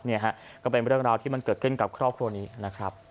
นี่ฮะก็เป็นเรื่องราวที่มันเกิดขึ้นกับครอบครัวนี้นะครับ